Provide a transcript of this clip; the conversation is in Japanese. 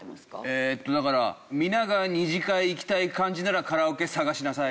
えーっとだから「皆が２次会行きたい感じならカラオケ探しなさい」。